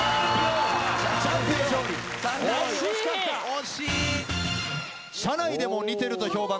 惜しい！